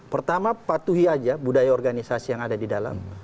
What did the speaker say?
pertama patuhi aja budaya organisasi yang ada di dalam